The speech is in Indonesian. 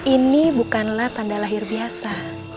ini bukanlah tanda lahir biasa